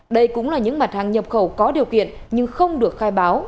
đây cũng là những mặt hàng nhập khẩu có điều kiện nhưng không được khai báo